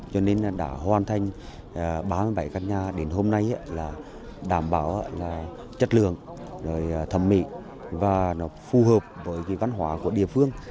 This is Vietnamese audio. cho nên đã hoàn thành ba mươi bảy căn nhà đến hôm nay là đảm bảo là chất lượng thẩm mỹ và nó phù hợp với văn hóa của địa phương